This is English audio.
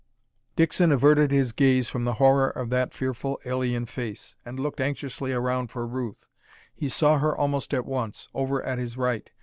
Dixon averted his gaze from the horror of that fearful alien face, and looked anxiously around for Ruth. He saw her almost at once, over at his right.